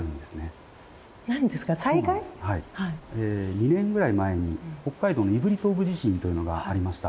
２年ぐらい前に北海道の胆振東部地震というのがありました。